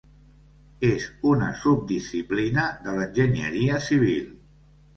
És una subdisciplina de l'enginyeria civil.